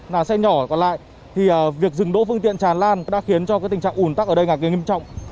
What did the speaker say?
đã khiến cho cái tình trạng ủn tắc ở đây ngạc nhiên nghiêm trọng